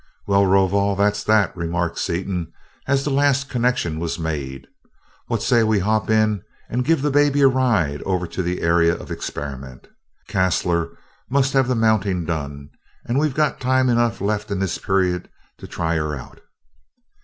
"Well, Rovol, that's that," remarked Seaton as the last connection was made. "What say we hop in and give the baby a ride over to the Area of Experiment? Caslor must have the mounting done, and we've got time enough left in this period to try her out."